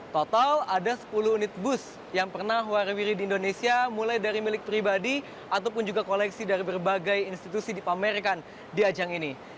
total ada sepuluh unit bus yang pernah warwiri di indonesia mulai dari milik pribadi ataupun juga koleksi dari berbagai institusi dipamerkan di ajang ini